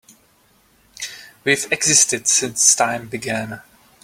We've existed since time began.